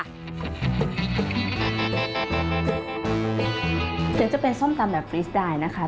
เสียงจะเป็นส้มตำแบบฟรีสไตล์นะคะ